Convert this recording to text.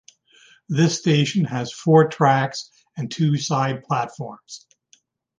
This station has four tracks and two side platforms.